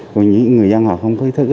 còn những người dân họ không có ý thức